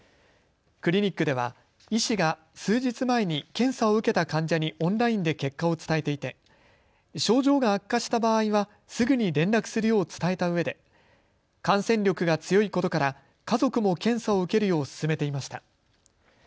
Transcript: クリニックでは医師が数日前に検査を受けた患者にオンラインで結果を伝えていて症状が悪化した場合はすぐに連絡するよう伝えたうえで感染力が強いことから家族も検査を受けるよう勧めていました。